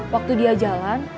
waktu dia jalan